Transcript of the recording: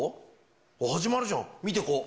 おっ、始まるじゃん、見てこう。